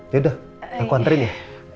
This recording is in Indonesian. ya udah aku anterin ya